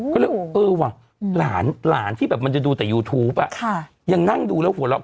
ก็เลยเออว่ะหลานที่แบบมันจะดูแต่ยูทูปอ่ะยังนั่งดูแล้วหัวเราะ